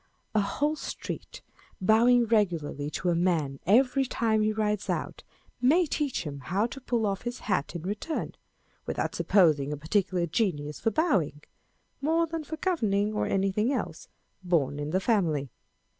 A whole street bowing regu larly to a man every time he rides out, may teach him how to pull off his hat in return, without supposing a particular genius for bowing (more than for governing, or anything else) born in the family.